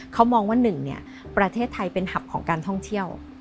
เขามองว่า๑ประเทศไทยเป็นหับของการท่องเที่ยว